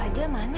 kak fadil mana ya